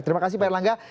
terima kasih pak erlangga